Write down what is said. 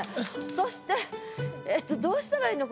そしてええっとどうしたらいいの？